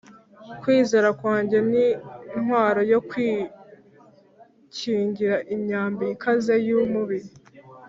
Kwizera kwanjye ni ntwaro yo kwikingira imyambi ikaze yumubi